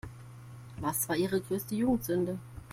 Was war Ihre größte Jugendsünde?